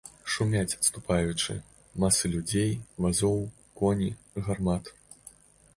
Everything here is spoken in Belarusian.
Шумяць, адступаючы, масы людзей, вазоў, коні, гармат.